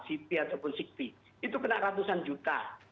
sipi ataupun sikpi itu kena ratusan juta